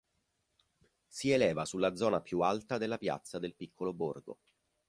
Si eleva sulla zona più alta della piazza del piccolo borgo.